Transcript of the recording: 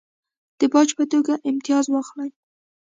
د باج په توګه امتیاز واخلي.